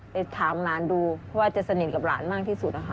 ไปถามล้านดูเพราะว่าจะสนิทกับล้านมากที่สุด